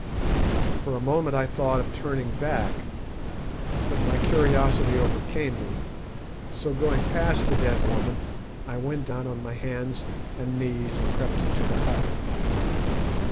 For a moment I thought of turning back, but my curiosity overcame me; so going past the dead woman, I went down on my hands and knees and crept into the hut.